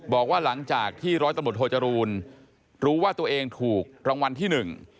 บอกว่าหลังจากที่ร้อยตำรวจโทจรูลรู้ว่าตัวเองถูกรางวัลที่หนึ่ง